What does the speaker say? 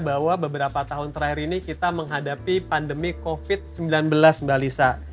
bahwa beberapa tahun terakhir ini kita menghadapi pandemi covid sembilan belas mbak lisa